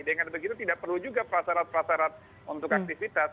dengan begitu tidak perlu juga prasarat prasarat untuk aktivitas